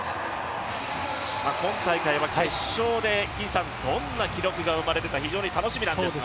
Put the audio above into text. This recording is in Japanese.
今大会は決勝でどんな記録が生まれるか非常に楽しみなんですが。